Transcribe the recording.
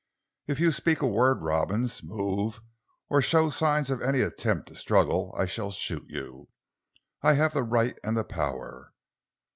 "If you speak a word, Robins, move, or show signs of any attempt to struggle, I shall shoot you. I have the right and the power."